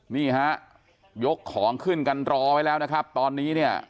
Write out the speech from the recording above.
นี่ฮะยกของขึ้นกันรอไว้แล้วนะครับตอนนี้เนี่ย